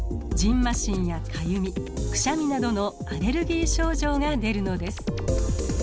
ましんやかゆみくしゃみなどのアレルギー症状が出るのです。